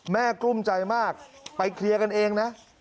กลุ้มใจมากไปเคลียร์กันเองนะ